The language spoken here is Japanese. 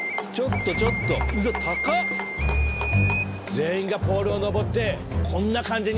全員がポールを登ってこんな感じに。